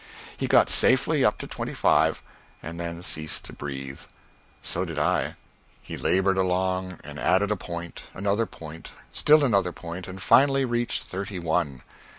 He got safely up to twenty five, and then ceased to breathe. So did I. He labored along, and added a point, another point, still another point, and finally reached thirty one.